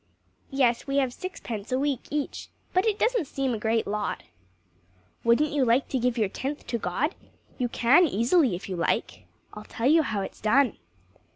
"Yes, we have sixpence a week each, but it doesn't seem a great lot." "Wouldn't you like to give your tenth to God? You can easily, if you like. I'll tell you how it's done."